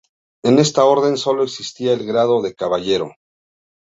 En esta orden sólo existía el grado de caballero.